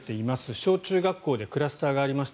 小中学校でクラスターがありました。